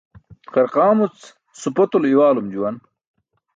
Qarqaamuc supotulo i̇waalum juwan.